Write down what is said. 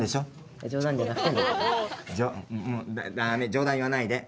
冗談言わないで。